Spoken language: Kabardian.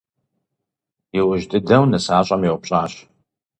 И ужь дыдэу, нысащӀэм еупщӀащ.